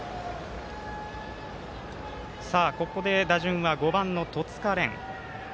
ここで打順は５番の戸塚廉。